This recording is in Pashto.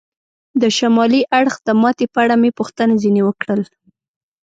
د شمالي اړخ د ماتې په اړه مې پوښتنه ځنې وکړل.